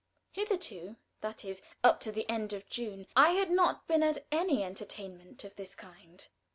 Hitherto, that is, up to the end of June, I had not been at any entertainment of this kind.